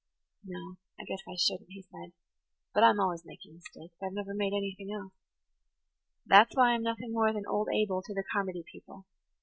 "No, I guess I shouldn't," he said. "But I'm always making mistakes. I've never made anything else. That's why I'm nothing more than 'Old Abel' to the Carmody people.